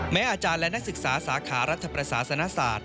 อาจารย์และนักศึกษาสาขารัฐประสาสนศาสตร์